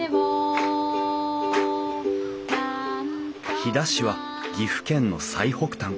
飛騨市は岐阜県の最北端。